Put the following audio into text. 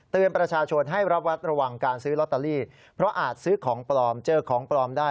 ประชาชนให้ระวัดระวังการซื้อลอตเตอรี่เพราะอาจซื้อของปลอมเจอของปลอมได้